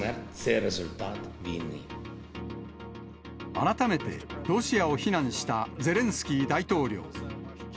改めてロシアを非難したゼレンスキー大統領。